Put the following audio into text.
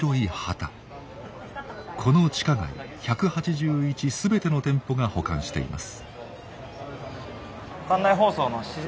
この地下街１８１全ての店舗が保管しています。